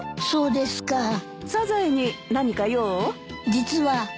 実は。